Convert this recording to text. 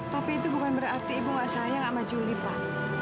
tapi itu bukan berarti ibu enggak sayang sama julie pak